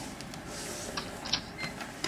موسیقي ستاسي مزاج بدلولای سي.